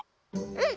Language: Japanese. うん。